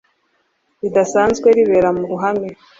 ridasanzwe ribera mu ruhame